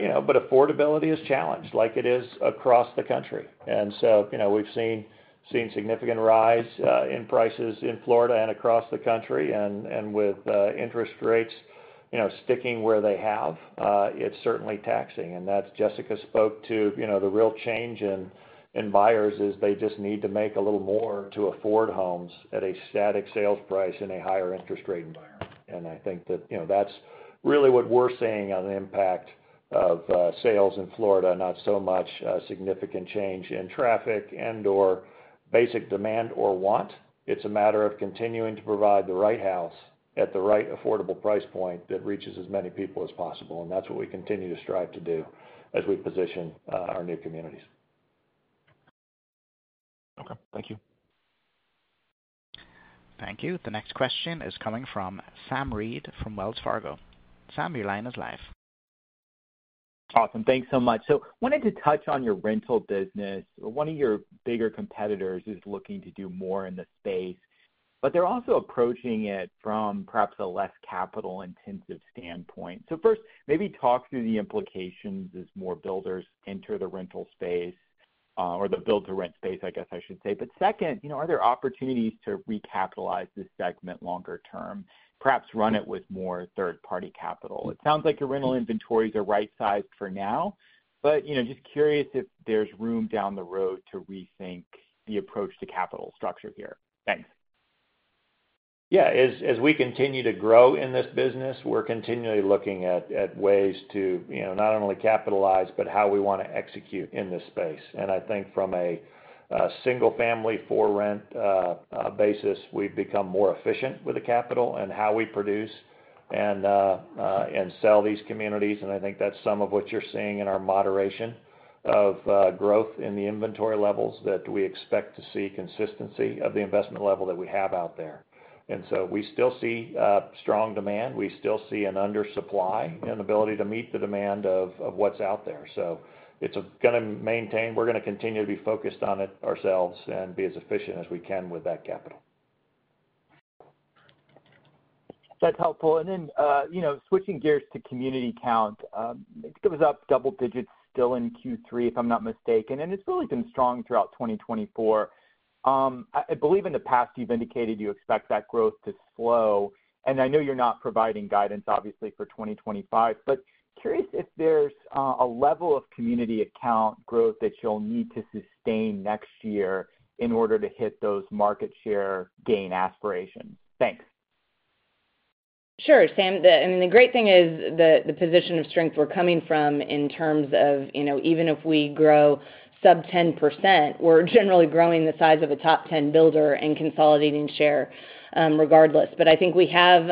you know, but affordability is challenged like it is across the country. And so, you know, we've seen significant rise in prices in Florida and across the country, and with interest rates, you know, sticking where they have, it's certainly taxing. And that's... Jessica spoke to, you know, the real change in buyers is they just need to make a little more to afford homes at a static sales price and a higher interest rate environment. And I think that, you know, that's really what we're seeing on the impact of sales in Florida, not so much significant change in traffic and/or basic demand or want. It's a matter of continuing to provide the right house at the right affordable price point that reaches as many people as possible, and that's what we continue to strive to do as we position our new communities. Okay. Thank you. Thank you. The next question is coming from Sam Reid from Wells Fargo. Sam, your line is live. Awesome. Thanks so much. So wanted to touch on your rental business. One of your bigger competitors is looking to do more in the space, but they're also approaching it from perhaps a less capital-intensive standpoint. So first, maybe talk through the implications as more builders enter the rental space, or the build-to-rent space, I guess I should say. But second, you know, are there opportunities to recapitalize this segment longer term, perhaps run it with more third-party capital? It sounds like your rental inventories are right-sized for now, but, you know, just curious if there's room down the road to rethink the approach to capital structure here. Thanks. Yeah, as we continue to grow in this business, we're continually looking at ways to, you know, not only capitalize, but how we wanna execute in this space. And I think from a single-family for rent basis, we've become more efficient with the capital and how we produce and sell these communities, and I think that's some of what you're seeing in our moderation of growth in the inventory levels that we expect to see consistency of the investment level that we have out there. And so we still see strong demand. We still see an undersupply and ability to meet the demand of what's out there. So it's gonna maintain... We're gonna continue to be focused on it ourselves and be as efficient as we can with that capital. That's helpful. Then, you know, switching gears to community count, it was up double digits still in Q3, if I'm not mistaken, and it's really been strong throughout 2024. I believe in the past you've indicated you expect that growth to slow, and I know you're not providing guidance, obviously, for 2025, but curious if there's a level of community count growth that you'll need to sustain next year in order to hit those market share gain aspirations. Thanks. Sure, Sam. I mean, the great thing is the position of strength we're coming from in terms of, you know, even if we grow sub 10%, we're generally growing the size of a top 10 builder and consolidating share, regardless. But I think we have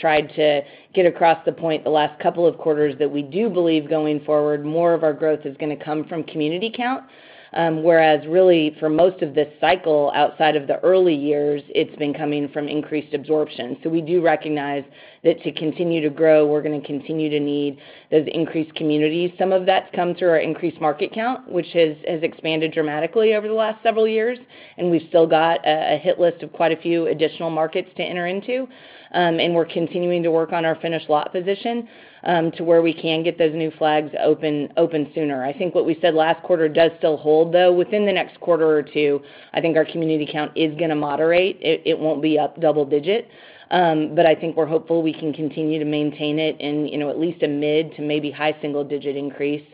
tried to get across the point the last couple of quarters that we do believe going forward, more of our growth is gonna come from community count. Whereas really, for most of this cycle, outside of the early years, it's been coming from increased absorption. So we do recognize that to continue to grow, we're gonna continue to need those increased communities. Some of that's come through our increased market count, which has expanded dramatically over the last several years, and we've still got a hit list of quite a few additional markets to enter into. And we're continuing to work on our finished lot position, to where we can get those new flags open sooner. I think what we said last quarter does still hold, though. Within the next quarter or two, I think our community count is gonna moderate. It won't be up double digit, but I think we're hopeful we can continue to maintain it in, you know, at least a mid to maybe high single digit increase,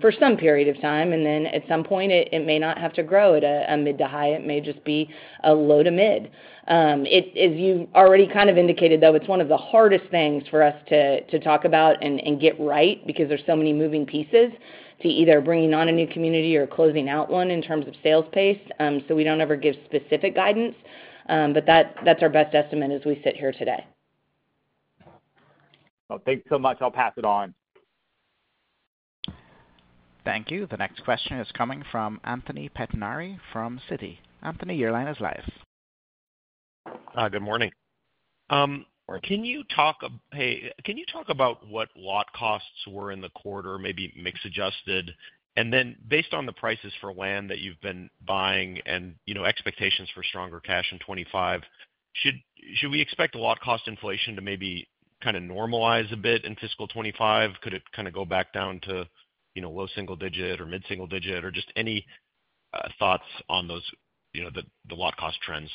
for some period of time, and then at some point, it may not have to grow at a mid to high. It may just be a low to mid. As you've already kind of indicated, though, it's one of the hardest things for us to talk about and get right because there's so many moving pieces to either bringing on a new community or closing out one in terms of sales pace. So we don't ever give specific guidance, but that's our best estimate as we sit here today. Well, thanks so much. I'll pass it on. Thank you. The next question is coming from Anthony Pettinari from Citi. Anthony, your line is live. Good morning. Can you talk about what lot costs were in the quarter, maybe mix adjusted? And then based on the prices for land that you've been buying and, you know, expectations for stronger cash in 2025, should we expect a lot cost inflation to maybe kind of normalize a bit in fiscal 2025? Could it kind of go back down to, you know, low single digit or mid-single digit? Or just any thoughts on those, you know, the lot cost trends.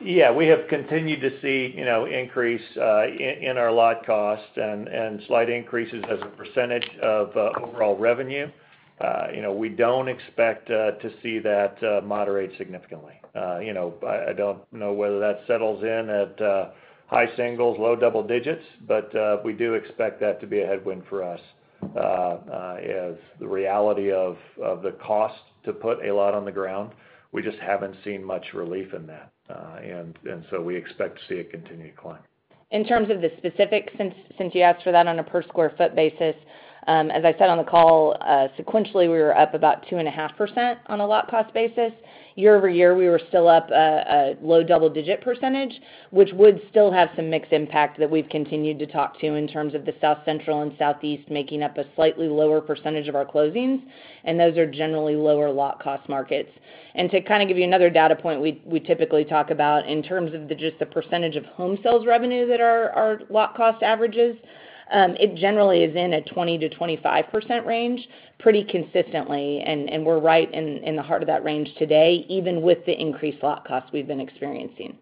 Yeah, we have continued to see, you know, increase in our lot costs and slight increases as a percentage of overall revenue. You know, we don't expect to see that moderate significantly. You know, I don't know whether that settles in at high singles, low double digits, but we do expect that to be a headwind for us, as the reality of the cost to put a lot on the ground, we just haven't seen much relief in that. And so we expect to see a continued climb. In terms of the specifics, since you asked for that on a per sq ft basis, as I said on the call, sequentially, we were up about 2.5% on a lot cost basis. Year-over-year, we were still up a low double-digit percentage, which would still have some mixed impact that we've continued to talk to in terms of the South Central and Southeast, making up a slightly lower percentage of our closings, and those are generally lower lot cost markets. To kind of give you another data point, we, we typically talk about in terms of the, just the percentage of home sales revenue that our, our lot cost averages, it generally is in a 20%-25% range pretty consistently, and, and we're right in, in the heart of that range today, even with the increased lot costs we've been experiencing.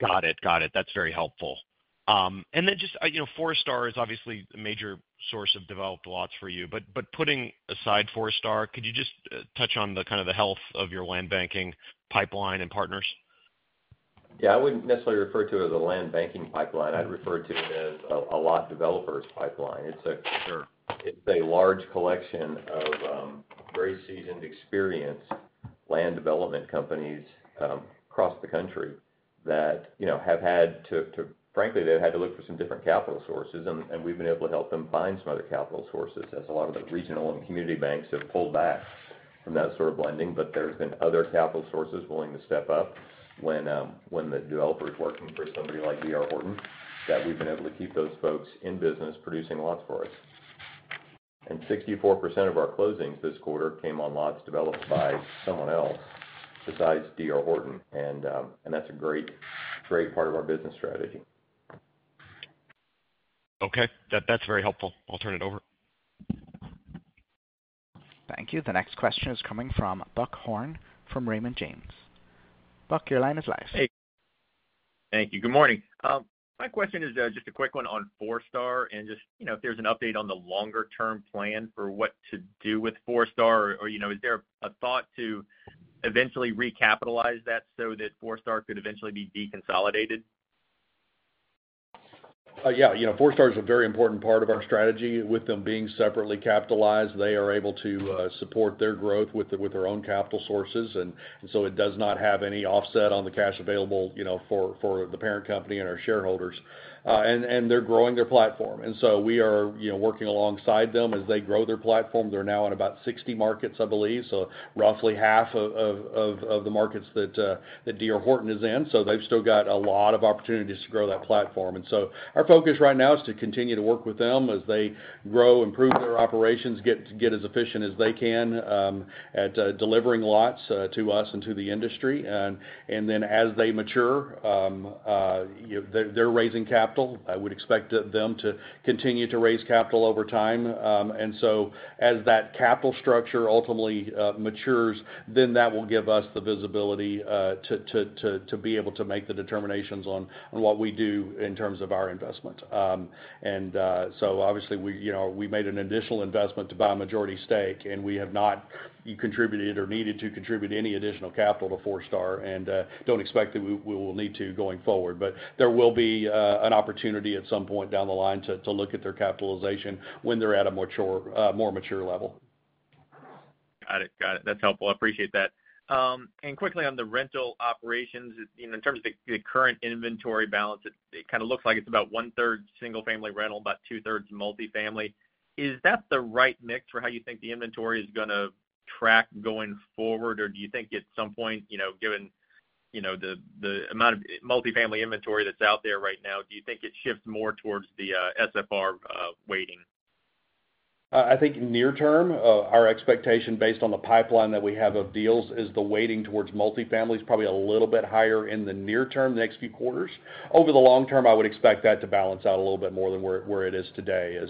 Got it. Got it. That's very helpful. And then just, you know, Forestar is obviously a major source of developed lots for you, but, but putting aside Forestar, could you just touch on the kind of the health of your land banking pipeline and partners? Yeah, I wouldn't necessarily refer to it as a land banking pipeline. I'd refer to it as a lot developer's pipeline. Sure. It's a large collection of very seasoned, experienced land development companies across the country that, you know, have had to frankly, they've had to look for some different capital sources, and we've been able to help them find some other capital sources, as a lot of the regional and community banks have pulled back from that sort of lending. But there's been other capital sources willing to step up when the developer is working for somebody like D.R. Horton, that we've been able to keep those folks in business producing lots for us. And 64% of our closings this quarter came on lots developed by someone else besides D.R. Horton, and that's a great, great part of our business strategy. Okay. That's very helpful. I'll turn it over. Thank you. The next question is coming from Buck Horne, from Raymond James. Buck, your line is live. Hey. Thank you. Good morning. My question is just a quick one on Forestar, and just, you know, if there's an update on the longer-term plan for what to do with Forestar, or, you know, is there a thought to eventually recapitalize that so that Forestar could eventually be deconsolidated? Yeah, you know, Forestar is a very important part of our strategy. With them being separately capitalized, they are able to support their growth with their own capital sources, and so it does not have any offset on the cash available, you know, for the parent company and our shareholders. And they're growing their platform. And so we are, you know, working alongside them as they grow their platform. They're now in about 60 markets, I believe, so roughly half of the markets that D.R. Horton is in. So they've still got a lot of opportunities to grow that platform. And so our focus right now is to continue to work with them as they grow, improve their operations, to get as efficient as they can at delivering lots to us and to the industry. And then as they mature, they're raising capital. I would expect them to continue to raise capital over time. And so as that capital structure ultimately matures, then that will give us the visibility to be able to make the determinations on what we do in terms of our investment. And so obviously, you know, we made an initial investment to buy a majority stake, and we have not contributed or needed to contribute any additional capital to Forestar and don't expect that we will need to going forward. But there will be an opportunity at some point down the line to look at their capitalization when they're at a mature, more mature level. Got it. Got it. That's helpful. I appreciate that. And quickly on the rental operations, in terms of the current inventory balance, it kind of looks like it's about 1/3 single-family rental, about 2/3 multifamily. Is that the right mix for how you think the inventory is gonna track going forward? Or do you think at some point, you know, given, you know, the amount of multifamily inventory that's out there right now, do you think it shifts more towards the SFR weighting? I think near term, our expectation based on the pipeline that we have of deals is the weighting towards multifamily is probably a little bit higher in the near term, the next few quarters. Over the long term, I would expect that to balance out a little bit more than where it is today as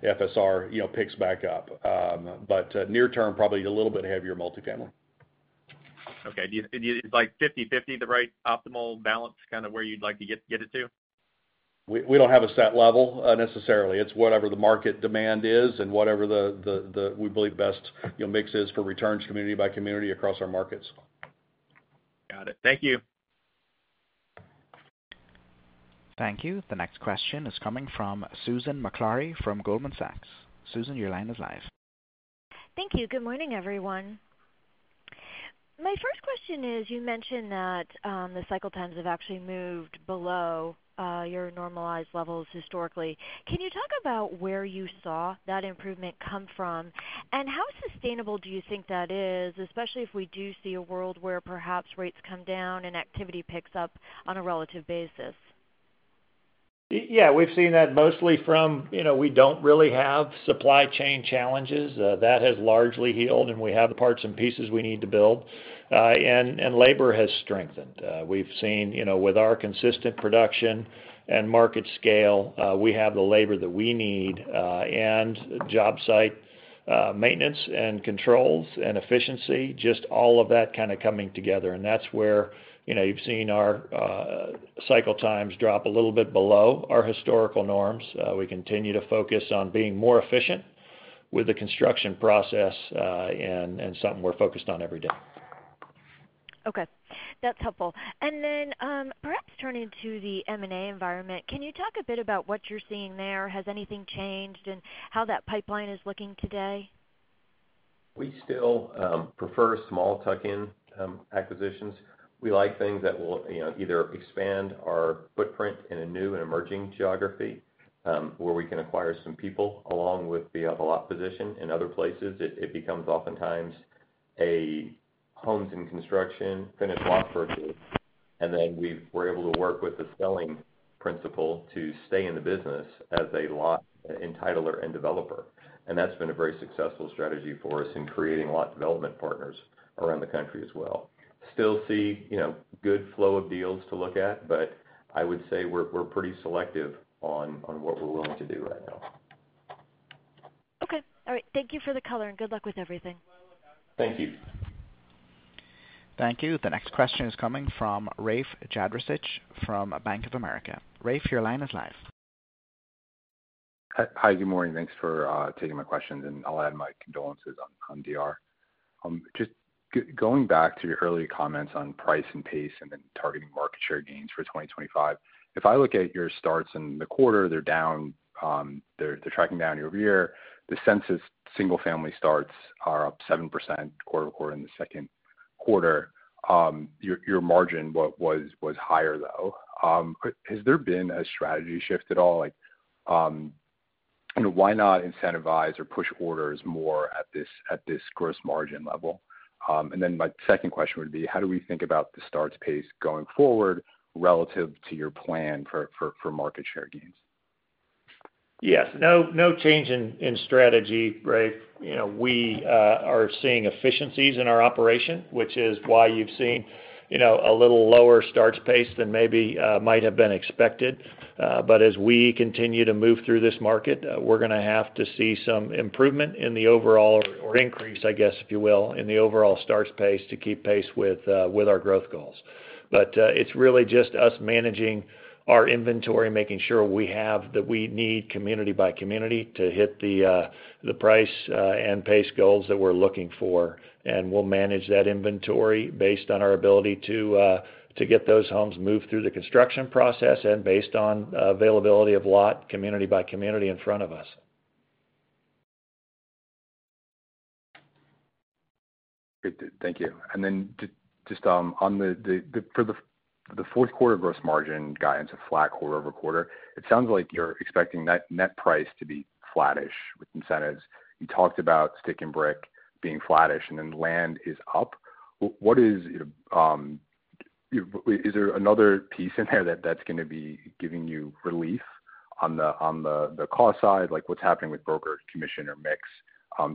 Forestar, you know, picks back up. But, near term, probably a little bit heavier multifamily. Okay. Is, like, 50/50 the right optimal balance, kind of where you'd like to get it to? We don't have a set level, necessarily. It's whatever the market demand is and whatever we believe best, you know, mix is for returns community by community across our markets. Got it. Thank you. Thank you. The next question is coming from Susan Maklari from Goldman Sachs. Susan, your line is live. Thank you. Good morning, everyone. My first question is, you mentioned that, the cycle times have actually moved below, your normalized levels historically. Can you talk about where you saw that improvement come from, and how sustainable do you think that is, especially if we do see a world where perhaps rates come down and activity picks up on a relative basis? Yeah, we've seen that mostly from, you know, we don't really have supply chain challenges. That has largely healed, and we have the parts and pieces we need to build. And labor has strengthened. We've seen, you know, with our consistent production and market scale, we have the labor that we need, and job site maintenance and controls and efficiency, just all of that kind of coming together. And that's where, you know, you've seen our cycle times drop a little bit below our historical norms. We continue to focus on being more efficient with the construction process, and something we're focused on every day. Okay, that's helpful. And then, perhaps turning to the M&A environment, can you talk a bit about what you're seeing there? Has anything changed, and how that pipeline is looking today? We still prefer small tuck-in acquisitions. We like things that will, you know, either expand our footprint in a new and emerging geography, where we can acquire some people along with a lot position. In other places, it becomes oftentimes a homes in construction, finished lot purchase, and then we're able to work with the selling principal to stay in the business as a lot entitler and developer. And that's been a very successful strategy for us in creating lot development partners around the country as well. Still see, you know, good flow of deals to look at, but I would say we're pretty selective on what we're willing to do right now. Okay, all right. Thank you for the color, and good luck with everything. Thank you. Thank you. The next question is coming from Rafe Jadrosich from Bank of America. Rafe, your line is live. Hi, good morning. Thanks for taking my questions, and I'll add my condolences on D.R. Just going back to your earlier comments on price and pace and then targeting market share gains for 2025. If I look at your starts in the quarter, they're down. They're tracking down year-over-year. The Census single-family starts are up 7% quarter-over-quarter in the second quarter. Your margin was higher, though. Has there been a strategy shift at all? Like, you know, why not incentivize or push orders more at this gross margin level? And then my second question would be: How do we think about the starts pace going forward relative to your plan for market share gains? Yes. No, no change in strategy, Rafe. You know, we are seeing efficiencies in our operation, which is why you've seen, you know, a little lower starts pace than maybe might have been expected. But as we continue to move through this market, we're going to have to see some improvement in the overall or increase, I guess, if you will, in the overall starts pace to keep pace with our growth goals. But it's really just us managing our inventory, making sure we have that we need community by community to hit the price and pace goals that we're looking for. And we'll manage that inventory based on our ability to get those homes moved through the construction process and based on availability of lot, community by community in front of us. Good. Thank you. And then just on the fourth quarter gross margin guidance of flat quarter-over-quarter, it sounds like you're expecting net price to be flattish with incentives. You talked about stick and brick being flattish, and then land is up. What is there another piece in there that's going to be giving you relief on the cost side, like what's happening with broker commission or mix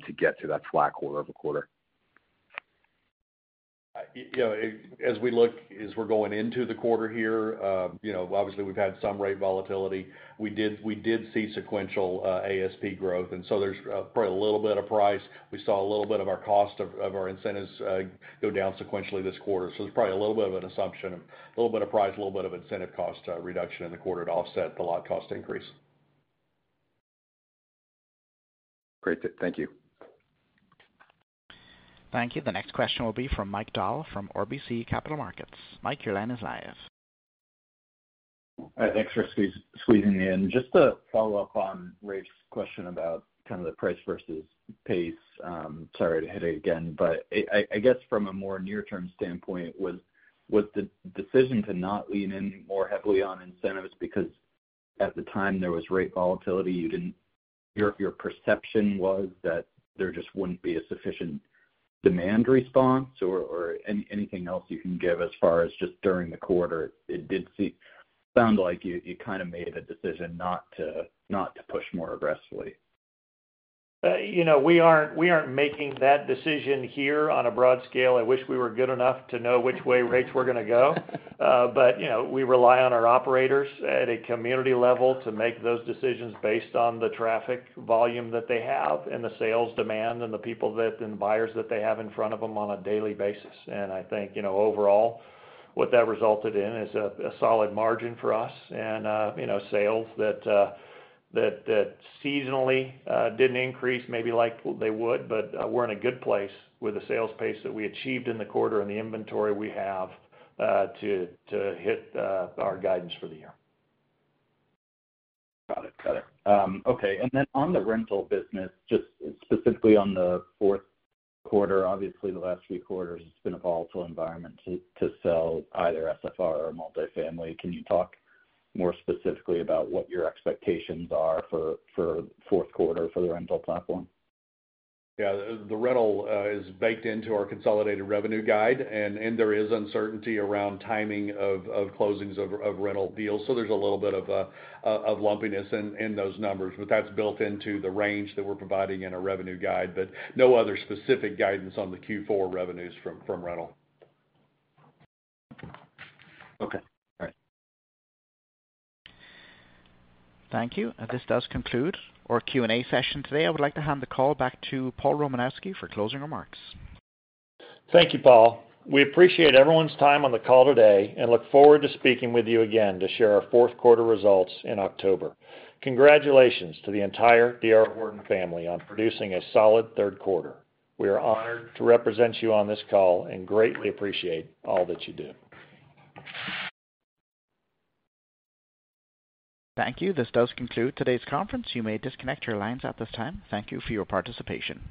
to get to that flat quarter-over-quarter? You know, as we look, as we're going into the quarter here, you know, obviously, we've had some rate volatility. We did see sequential ASP growth, and so there's probably a little bit of price. We saw a little bit of our cost of our incentives go down sequentially this quarter. So there's probably a little bit of an assumption, a little bit of price, a little bit of incentive cost reduction in the quarter to offset the lot cost increase. Great. Thank you. Thank you. The next question will be from Mike Dahl from RBC Capital Markets. Mike, your line is live. Thanks for squeezing me in. Just to follow up on Raph's question about kind of the price versus pace, sorry to hit it again, but I guess from a more near-term standpoint, was the decision to not lean in more heavily on incentives because at the time there was rate volatility, your perception was that there just wouldn't be a sufficient demand response or anything else you can give as far as just during the quarter? It did seem sound like you kind of made a decision not to push more aggressively. You know, we aren't making that decision here on a broad scale. I wish we were good enough to know which way rates were going to go. But, you know, we rely on our operators at a community level to make those decisions based on the traffic volume that they have and the sales demand and the people that, and buyers that they have in front of them on a daily basis. And I think, you know, overall, what that resulted in is a solid margin for us and, you know, sales that seasonally didn't increase, maybe like they would, but we're in a good place with the sales pace that we achieved in the quarter and the inventory we have to hit our guidance for the year. Got it. Got it. Okay, and then on the rental business, just specifically on the fourth quarter, obviously the last few quarters, it's been a volatile environment to, to sell either SFR or multifamily. Can you talk more specifically about what your expectations are for, for fourth quarter for the rental platform? Yeah. The rental is baked into our consolidated revenue guide, and there is uncertainty around timing of closings of rental deals, so there's a little bit of lumpiness in those numbers. But that's built into the range that we're providing in our revenue guide, but no other specific guidance on the Q4 revenues from rental. Okay. All right. Thank you. This does conclude our Q&A session today. I would like to hand the call back to Paul Romanowski for closing remarks. Thank you, Paul. We appreciate everyone's time on the call today and look forward to speaking with you again to share our fourth quarter results in October. Congratulations to the entire D.R. Horton family on producing a solid third quarter. We are honored to represent you on this call and greatly appreciate all that you do. Thank you. This does conclude today's conference. You may disconnect your lines at this time. Thank you for your participation.